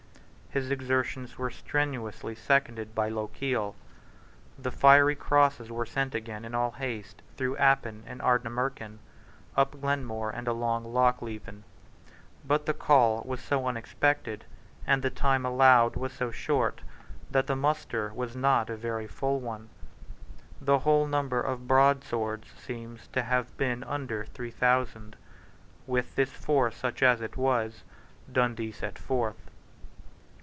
His exertions were strenuously seconded by Lochiel. The fiery crosses were sent again in all haste through Appin and Ardnamurchan, up Glenmore, and along Loch Leven. But the call was so unexpected, and the time allowed was so short, that the muster was not a very full one. The whole number of broadswords seems to have been under three thousand. With this force, such as it was, Dundee set forth.